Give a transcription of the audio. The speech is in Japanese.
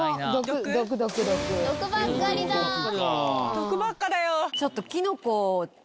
毒ばっかだよ。